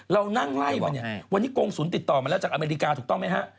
เรานั่งไล่มาเนี่ยวันนี้กรงศูนย์ติดต่อมาแล้วจากอเมริกาถูกต้องไหมฮะ